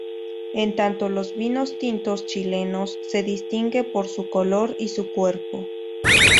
En tanto los vinos tintos chilenos se distinguen por su color y su cuerpo.